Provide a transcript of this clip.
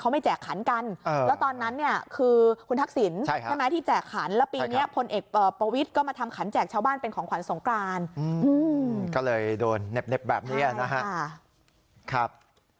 มันก็เลยโดนเน็บแบบนี้นะครับ